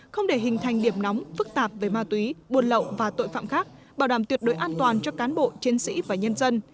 không để hình thành điểm nóng phức tạp về ma túy buồn lậu và tội phạm khác bảo đảm tuyệt đối an toàn cho cán bộ chiến sĩ và nhân dân